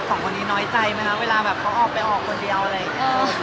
สองคนนี้น้อยใจไหมคะเวลาแบบเขาออกไปออกคนเดียวอะไรอย่างนี้